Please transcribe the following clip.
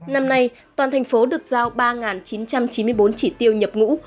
năm nay toàn thành phố được giao ba chín trăm chín mươi bốn chỉ tiêu nhập ngũ